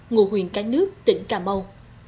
ngũ huyền cá nước tỉnh cà mau